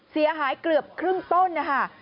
เสียหายเกือบครึ่งต้นนะคะ